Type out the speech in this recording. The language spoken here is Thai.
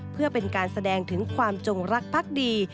เพื่อเป็นการแสดงถึงความจงรักพักดี